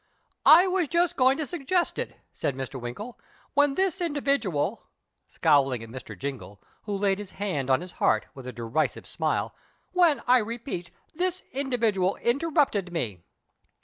" I was just going to suggest it," said Mr. Winkle, " when this individual " (scowling at Mr. Jingle, who laid his hand on his heart, with a derisive smile), " when, I repeat, this individual interrupted me.